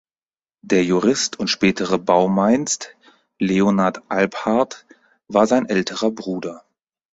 Der Jurist und spätere Baumeinst Leonhard Albhart war sein älterer Bruder.